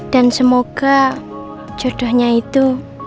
dan semoga jodohnya itu